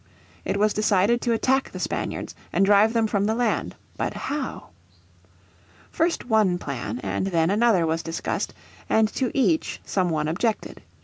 It was decided to attack the Spaniards and drive them from the land. But how? First one plan and then another was discussed, and to each some one objected.